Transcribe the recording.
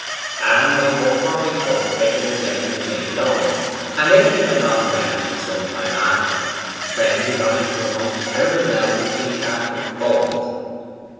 'And, by hook or by crook, Hedger Luxellian was made a lord, and everything went on well till some time after, when he got into a most terrible row with King Charles the Fourth.